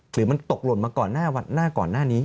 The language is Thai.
หรือมันตกหล่นมาก่อนหน้าก่อนหน้านี้